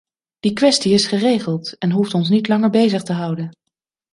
Die kwestie is geregeld en hoeft ons niet langer bezig te houden.